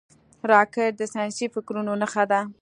راکټ د ساینسي فکرونو نښه ده